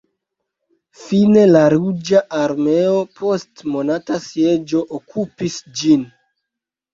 Fine la Ruĝa Armeo post monata sieĝo okupis ĝin.